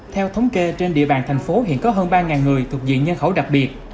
theo thống kê trên địa bàn thành phố hiện có hơn ba người thuộc diện nhân khẩu đặc biệt